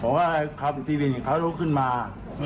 ผมก็เข้ากลับที่วินเขาก็ตัวเข้าขึ้นมา